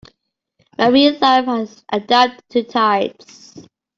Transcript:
Marine life has adapted to tides.